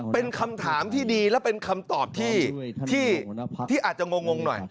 เป็นคำถามที่ดีและเป็นคำตอบที่อาจจะงงหน่อย